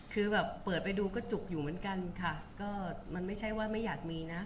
คือแบบเปิดไปดูก็จุกอยู่เหมือนกันค่ะก็มันไม่ใช่ว่าไม่อยากมีนะ